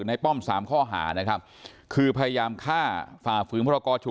ในป้อมสามข้อหานะครับคือพยายามฆ่าฝาฟื้องพรกชุ